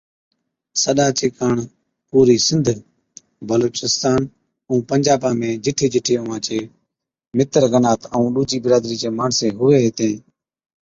سڏا چي ڪاڻ پوري سنڌ، بلوچستان ائُون پنجابا ۾ جِٺي جِٺي اُونھان چي متر گنات ائُون ڏُوجِي برادري چين ماڻسين ھُوي ھِتين